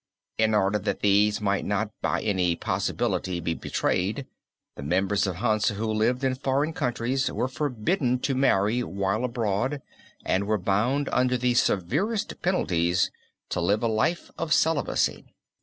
In order that these might not by any possibility be betrayed, the members of Hansa who lived in foreign countries were forbidden to marry while abroad and were bound under the severest penalties to live a life of celibacy.